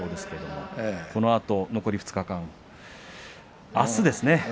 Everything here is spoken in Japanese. このあと残り２日間あすですね